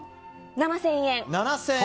７０００円。